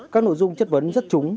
các nội dung chất vấn rất trúng